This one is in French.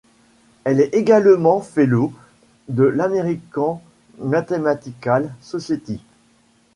Elle est également fellow de l'American Mathematical Society.